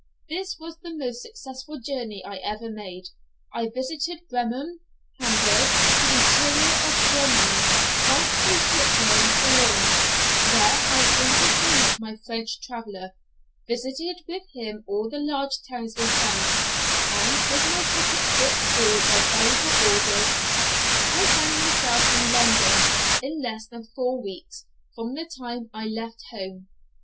This was the most successful journey I ever made. I visited Bremen, Hamburg, the interior of Germany, crossed through Switzerland to Lyons, where I appointed to meet my French traveller; visited with him all the large towns in France, and with my pocket book full of valuable orders I found myself in London in less than four weeks from the time I left home.